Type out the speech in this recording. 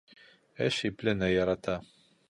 Эш иплене ярата.